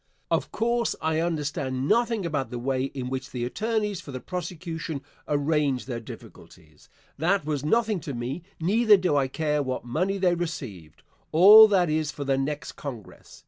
Of course, I understand nothing about the way in which the attorneys for the prosecution arranged their difficulties. That was nothing to me; neither do I care what money they received all that is for the next Congress.